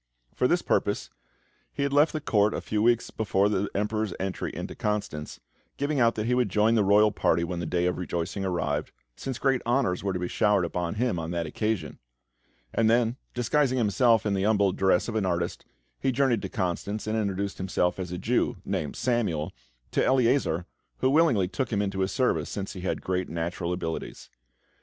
For this purpose, he had left the Court a few weeks before the Emperor's entry into Constance, giving out that he would join the royal party when the day of rejoicing arrived, since great honours were to be showered upon him on that occasion; and then, disguising himself in the humble dress of an artist, he journeyed to Constance, and introduced himself as a Jew, named Samuel, to Eleazar, who willingly took him into his service, since he had great natural abilities.